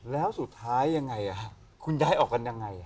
แล้วสุดท้ายยังไงคุณย้ายออกกันยังไง